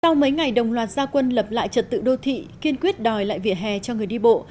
sau mấy ngày đồng loạt gia quân lập lại trật tự đô thị kiên quyết đòi lại vỉa hè cho người đi bộ